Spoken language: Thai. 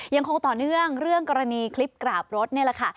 ยังคงต่อเนื่องเรื่องกรณีคลิปกราบรถนี่แหละค่ะ